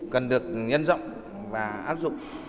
cần được nhân rộng và áp dụng